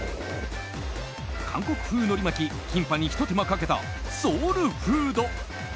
韓国風のり巻き、キンパにひと手間かけたソウルフード。